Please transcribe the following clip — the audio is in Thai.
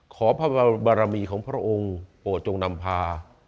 ขอพระบรมีของพระองค์โปรดจงนำพา